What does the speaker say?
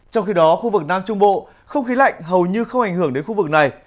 trong khi đó khu vực nam trung bộ không khí lạnh hầu như không ảnh hưởng đến khu vực này